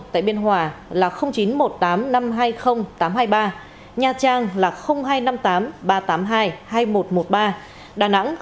một chín không không một năm hai không tại biên hòa là chín một tám năm hai không tám hai ba nha trang là hai năm tám ba tám hai hai một một ba đà nẵng hai trăm ba mươi sáu